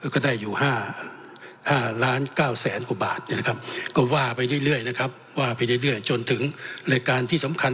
ก็ได้อยู่๕๙๐๐๐๐๐บาทก็ว่าไปเรื่อยจนถึงรายการที่สำคัญ